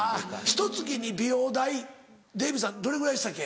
ひと月に美容代デヴィさんどれぐらいでしたっけ？